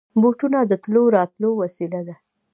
بوټونه د تلو راتلو وسېله ده.